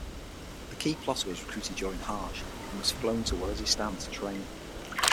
The key plotter was recruited during Hajj and was flown to Waziristan to train.